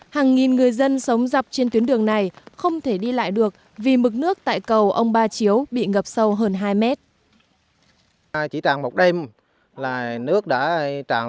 hàng nghìn người dân sống dọc trên tuyến đường này không thể đi lại được vì mực nước tại cầu ông ba chiếu bị ngập sâu hơn hai mét